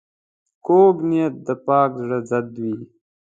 کوږ نیت د پاک زړه ضد وي